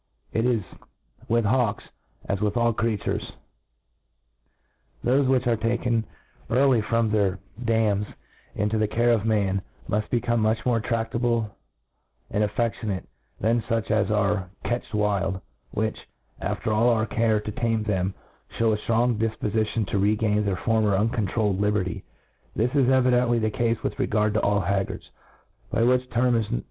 It is with hawks as with all other creatures* Thofe which afe taken very early from their dams into the care of man, become much more tradable and aflFcaionate than fuch as arc Catched wild, which, after all our care to tame them, fliew a ftrong difpofition to regain their former uncontrolled liberty. This is evidently the cafe with regard to all haggards, by which term is.